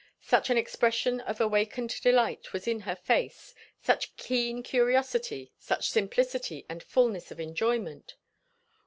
Such an expression of awakened delight was in her face; such keen curiosity, such simplicity and fulness of enjoyment.